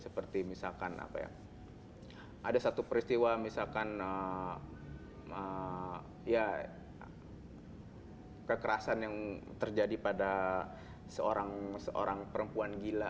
seperti misalkan ada satu peristiwa misalkan kekerasan yang terjadi pada seorang perempuan gila